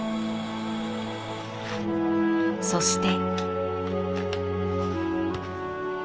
そして。